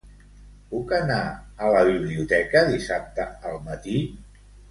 Puc anar a la biblioteca dissabte al matí?